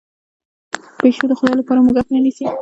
پیشو د خدای لپاره موږک نه نیسي.